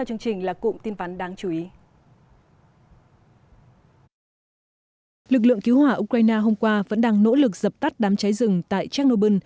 lực lượng cứu hỏa ukraine hôm qua vẫn đang nỗ lực dập tắt đám cháy rừng tại chernobyl